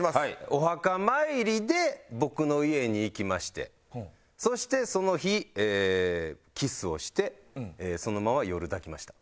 お墓参りで僕の家に行きましてそしてその日キスをしてそのまま夜抱きました。